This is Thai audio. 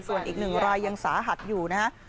ส่วนอีก๑รายยังสาหัสอยู่นะฮะ